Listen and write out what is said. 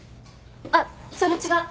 あっそれ違う！